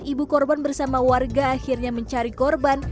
ibu korban bersama warga akhirnya mencari korban